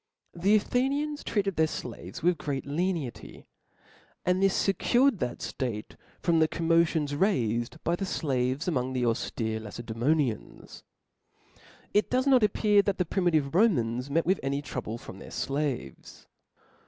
The Athenians treated their flaves with great lenity ; and this fecured that ftate from the xommotions raifed by the flaves among the auftere jLacedsemontans. ' It does not appear that thd primitive Romans met with any trouble from their flaves.